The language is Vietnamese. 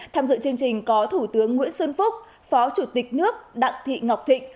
tham dự chương trình có thủ tướng nguyễn xuân phúc phó chủ tịch nước đặng thị ngọc thịnh